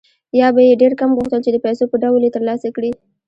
یا به یې ډېر کم غوښتل چې د پیسو په ډول یې ترلاسه کړي